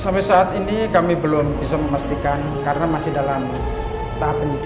sampai saat ini kami belum bisa memastikan karena masih dalam tahap penyidikan